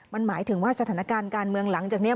มันหมายถึงว่าสถานการณ์การเมืองหลังจากนี้